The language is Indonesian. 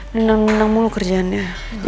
nenang nenang mulu kerjaannya